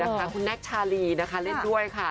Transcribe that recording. คุณแน็กชาลีนะคะเล่นด้วยค่ะ